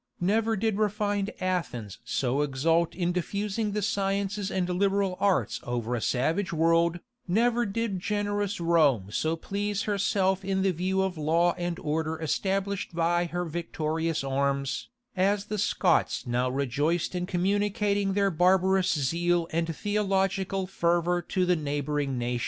Never did refined Athens so exult in diffusing the sciences and liberal arts over a savage world, never did generous Rome so please herself in the view of law and order established by her victorious arms, as the Scots now rejoiced in communicating their barbarous zeal and theological fervor to the neighboring nations.